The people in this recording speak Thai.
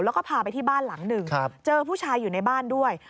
แล้วก็พาไปที่บ้านหลังหนึ่งเจอผู้ชายอยู่ในบ้านด้วย